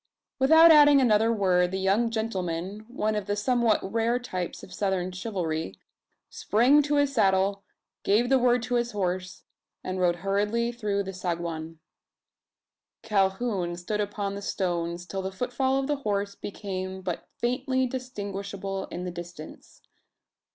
Without adding another word, the young gentleman one of the somewhat rare types of Southern chivalry sprang to his saddle; gave the word, to his horse; and rode hurriedly through the saguan. Calhoun stood upon the stones, till the footfall of the horse became but faintly distinguishable in the distance.